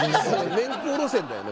年縞路線だよね